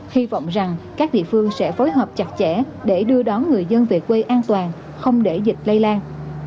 hy vọng rằng các địa phương sẽ phối hợp chặt chẽ để đưa đón người dân về quê an toàn không để dịch lây lan